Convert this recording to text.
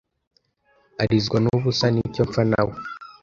arizwa nubusa nicyo mpfa nawe